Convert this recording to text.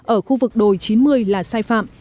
ở khu vực đồi chín mươi là sai phạm